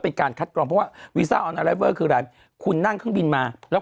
เป็นการคัดกรองเพราะว่าวีซ่าออนอะไรเวอร์คืออะไรคุณนั่งเครื่องบินมาแล้ว